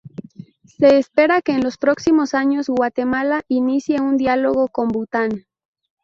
Se espera que en los próximos años, Guatemala inicie un diálogo con Bután.